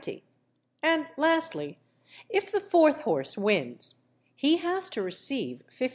_; and lastly, if the fourth horse wins, he has to receive 56_l.